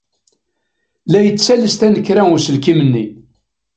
La yettales tanekra uselkim-nni.